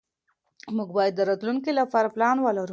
موږ بايد د راتلونکي لپاره پلان ولرو.